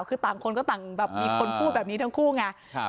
คือต่างคนก็ต่างแบบมีคนพูดแบบนี้ทั้งคู่ไง